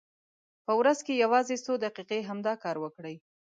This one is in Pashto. په ورځ کې یوازې څو دقیقې همدا کار وکړئ.